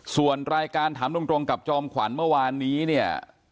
ส่วนรายการถามตรงกับจอมขวัญเมื่อวานนี้เนี่ย